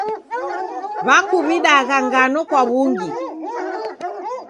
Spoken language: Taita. W'akuw'idagha ngano kwa w'ungi.